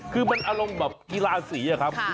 คือมันอารมณ์แบบกีฬาสีอะครับ